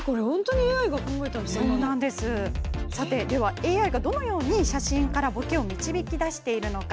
ＡＩは、どのように写真からぼけを導き出しているのか。